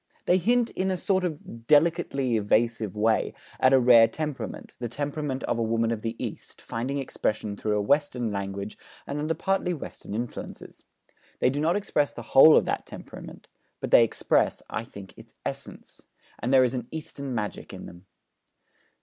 They hint, in a sort of delicately evasive way, at a rare temperament, the temperament of a woman of the East, finding expression through a Western language and under partly Western influences. They do not express the whole of that temperament; but they express, I think, its essence; and there is an Eastern magic in them.